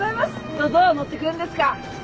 どうぞ乗ってくれんですか。